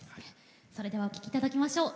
それではお聴きいただきましょう。